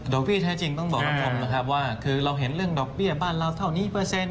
พี่แท้จริงต้องบอกกับผมนะครับว่าคือเราเห็นเรื่องดอกเบี้ยบ้านเราเท่านี้เปอร์เซ็นต